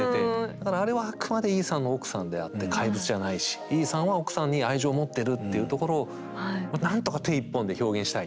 だからあれはあくまでイーサンの奥さんであって怪物じゃないしイーサンは奥さんに愛情を持ってるっていうところをまあ何とか手１本で表現したい。